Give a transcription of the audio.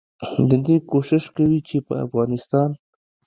ددې کوشش کوي چې په افغانستان